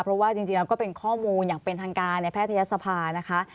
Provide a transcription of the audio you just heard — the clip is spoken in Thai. เพราะว่าจริงแล้วก็เป็นข้อมูลอย่างเป็นทางการในแพทยศภานะคะ